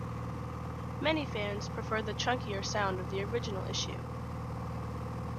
Many fans prefer the chunkier sound of the original issue.